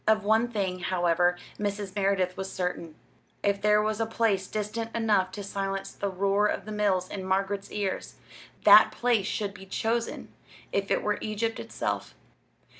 Of one thing, however, Mrs. Merideth was certain if there was a place distant enough to silence the roar of the mills in Margaret's ears, that place should be chosen if it were Egypt itself.